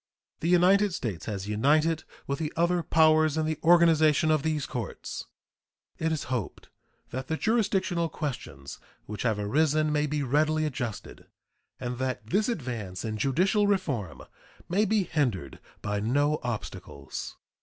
The United States has united with the other powers in the organization of these courts. It is hoped that the jurisdictional questions which have arisen may be readily adjusted, and that this advance in judicial reform may be hindered by no obstacles.